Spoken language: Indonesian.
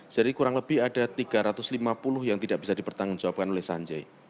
jadi kurang lebih ada tiga ratus lima puluh yang tidak bisa dipertanggungjawabkan oleh sanjay